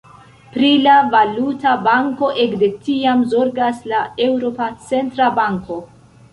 Pri la valuta banko ekde tiam zorgas la Eŭropa Centra Banko.